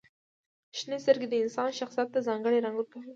• شنې سترګې د انسان شخصیت ته ځانګړې رنګ ورکوي.